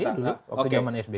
iya dulu waktu zaman sby